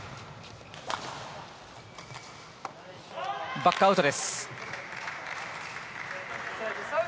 バックアウトです。